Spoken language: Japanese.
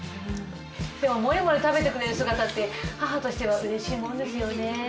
でもモリモリ食べてくれる姿って母としてはうれしいもんですよね。